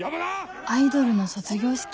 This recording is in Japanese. アイドルの卒業式？